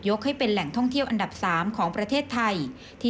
รวมถึงแหล่งท่องเที่ยวที่มีความเป็นธรรมชาติ